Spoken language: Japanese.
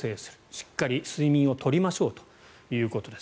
しっかり睡眠を取りましょうということです。